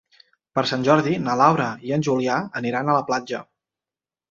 Per Sant Jordi na Laura i en Julià aniran a la platja.